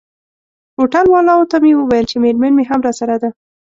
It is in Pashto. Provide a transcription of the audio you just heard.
هوټل والاو ته مې وویل چي میرمن مي هم راسره ده.